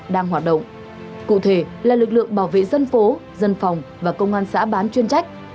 đang hoạt động cụ thể là lực lượng bảo vệ dân phố dân phòng và công an xã bán chuyên trách